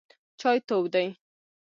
چای تود دی.